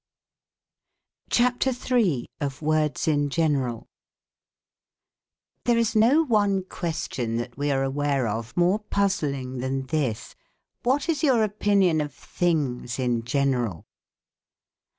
CHAPTER III. OF "WORDS IN GENERAL. There is no one question that we are aware of more puzzling than this, " What is your opinion of things in general